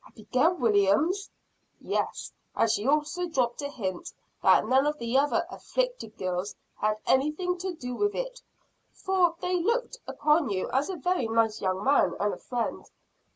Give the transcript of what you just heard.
"Abigail Williams!" "Yes; and she also dropped a hint that none of the other 'afflicted girls' had anything to do with it for they looked upon you as a very nice young man, and a friend."